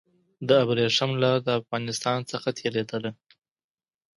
د ابريښم لار د افغانستان څخه تېرېدله.